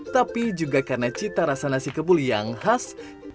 tapi juga karena cita rasa nasi kebul yang khas